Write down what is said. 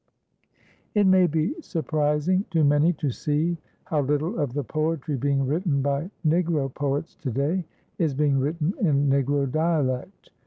It may be surprising to many to see how little of the poetry being written by Negro poets to day is being written in Negro dialect.